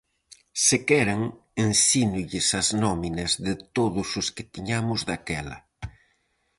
Se queren, ensínolles as nóminas de todos os que tiñamos daquela.